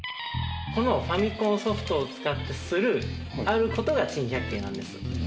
このファミコンソフトを使ってする「ある事」が珍百景なんです。